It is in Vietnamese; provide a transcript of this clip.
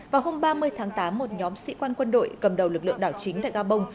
vào hôm ba mươi tháng tám một nhóm sĩ quan quân đội cầm đầu lực lượng đảo chính tại gabon